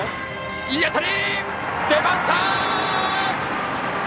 いい当たり！出ました！